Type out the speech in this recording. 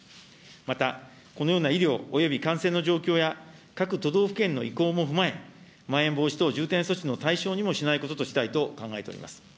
また、このような医療および感染の状況や、各都道府県の意向も踏まえ、まん延防止等重点措置の対象にもしないこととしたいと考えております。